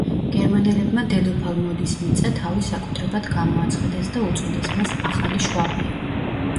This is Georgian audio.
გერმანელებმა დედოფალ მოდის მიწა თავის საკუთრებად გამოაცხადეს და უწოდეს მას ახალი შვაბია.